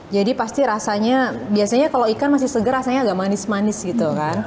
jadi pasti rasanya biasanya kalau ikan masih segar rasanya agak manis manis gitu kan